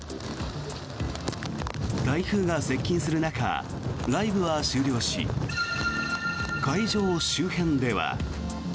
台風が接近する中ライブは終了し会場周辺では。